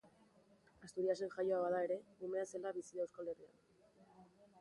Asturiasen jaioa bada ere, umea zela bizi da Euskal Herrian.